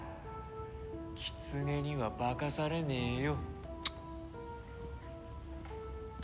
キツネには化かされねえよ。